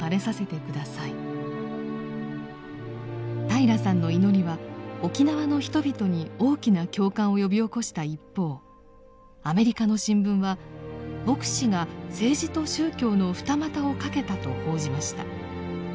平良さんの祈りは沖縄の人々に大きな共感を呼び起こした一方アメリカの新聞は牧師が政治と宗教の二股をかけたと報じました。